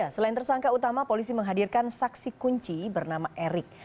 selain tersangka utama polisi menghadirkan saksi kunci bernama erik